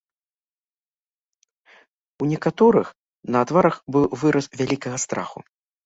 У некаторых на тварах быў выраз вялікага страху.